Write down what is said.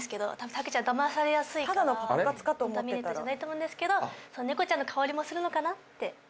たくちゃん騙されやすいから本当はミヌエットじゃないと思うんですけどその猫ちゃんの香りもするのかなって思ってます。